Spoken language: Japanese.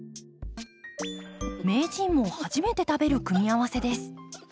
名人も初めて食べる組み合わせです。